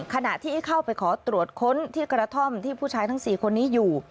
ขณะที่เข้าไปขอตรวจค้นที่กระท่อมที่ผู้ชายทั้ง๔คนนี้อยู่